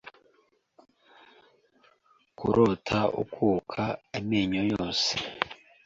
Kurota ukuka amenyo yose.